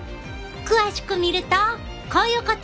詳しく見るとこういうこと！